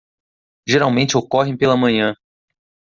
Geralmente ocorrem pela manhã.